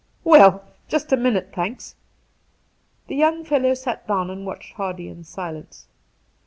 ' Well, just a minute, thanks.' The young fellow sat down and watched Hardy in silence.